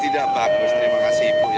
tidak bagus terima kasih